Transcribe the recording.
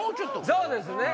そうですね。